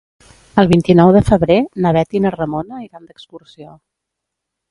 El vint-i-nou de febrer na Bet i na Ramona iran d'excursió.